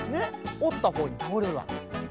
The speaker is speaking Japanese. おったほうにたおれるわけね。